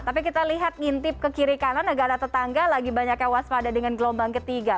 tapi kita lihat ngintip ke kiri kanan negara tetangga lagi banyak yang waspada dengan gelombang ketiga